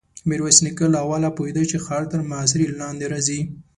ميرويس نيکه له اوله پوهېده چې ښار تر محاصرې لاندې راځي.